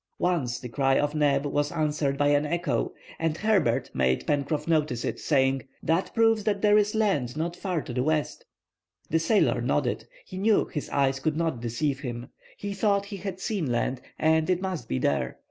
Once the cry of Neb was answered by an echo; and Herbert made Pencroff notice it, saying:—"That proves that there is land not far to the west." The sailor nodded; he knew his eyes could not deceive him. He thought he had seen land, and it must be there.